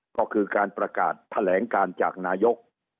ก็คือการประกาศแถลงการจากนายก